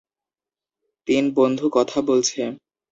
তিন বন্ধু কথা বলছে